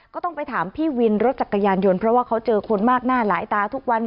ก็ต้องไปถามพี่วินรถจักรยานยนต์เพราะว่าเขาเจอคนมากหน้าหลายตาทุกวัน